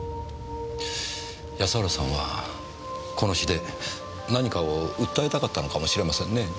安原さんはこの詩で何かを訴えたかったのかもしれませんねぇ。